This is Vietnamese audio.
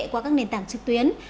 qua các nền tảng trực tuyến